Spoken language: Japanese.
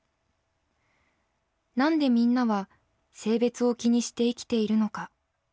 なんで皆は性別を気にして生きているのか。